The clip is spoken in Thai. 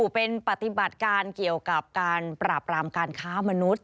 เป็นปฏิบัติการเกี่ยวกับการปราบรามการค้ามนุษย